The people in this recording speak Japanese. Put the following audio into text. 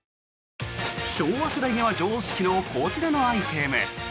昭和世代には常識のこちらのアイテム。